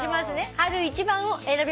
「春一番」を選びました